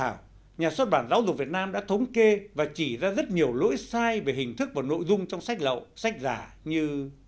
trong số các xuất bản phẩm lậu nhà xuất bản giáo dục việt nam đã thống kê và chỉ ra rất nhiều lỗi sai về hình thức và nội dung trong sách lậu sách giả như